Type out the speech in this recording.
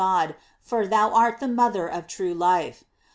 God, for thou art the mother of true life.